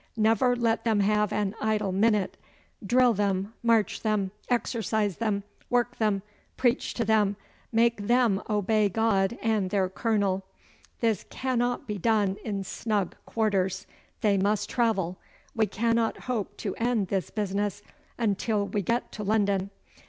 Never let them have an idle minute. Drill them. March them. Exercise them. Work them. Preach to them. Make them obey God and their Colonel. This cannot be done in snug quarters. They must travel. We cannot hope to end this business until we get to London.